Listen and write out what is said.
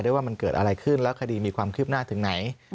ว่ามันเกิดอะไรขึ้นแล้วคดีมีความคืบหน้าถึงไหน